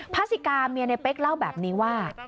พระสิกาเมียในเป๊กเล่าแบบนี้ว่า